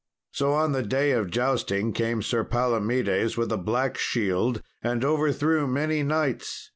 So on the day of jousting came Sir Palomedes, with a black shield, and overthrew many knights.